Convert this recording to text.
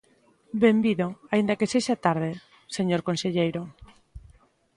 Benvido aínda que sexa tarde, señor conselleiro.